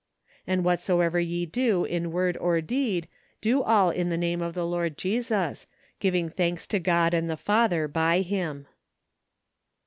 " And whatsoever ye do in word or deed, do all in the name of the Lord Jtsus, giving thanks to God and the Father by him."